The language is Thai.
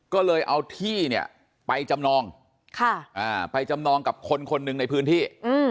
ก็เลยเอาที่เนี่ยไปจำนองไปจำนองกับคนคนหนึ่งในพื้นที่